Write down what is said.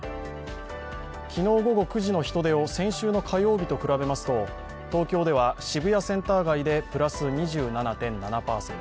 昨日午後９時の人出を先週の火曜日と比べますと東京では渋谷センター街でプラス２７．７％。